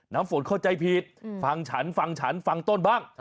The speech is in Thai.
น้ำฝนเข้าใจผิดฟังฉันฟังฉันฟังต้นบ้าง